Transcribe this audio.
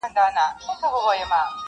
وروستی دیدن دی بیا به نه وي دیدنونه٫